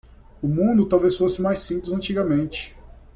O mundo talvez fosse mais simples antigamente